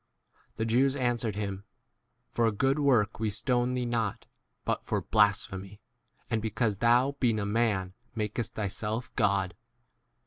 The Jews an swered hiny For a good work we stone thee not, but for blasphemy, and because thou,* being a man, 34 makest thyself God.